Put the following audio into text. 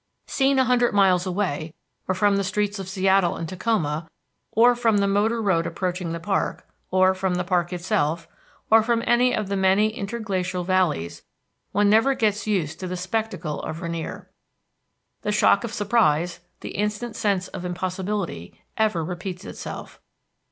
Seen a hundred miles away, or from the streets of Seattle and Tacoma, or from the motor road approaching the park, or from the park itself, or from any of the many interglacier valleys, one never gets used to the spectacle of Rainier. The shock of surprise, the instant sense of impossibility, ever repeats itself.